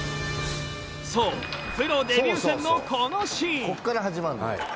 そうプロデビュー戦のこのシーン。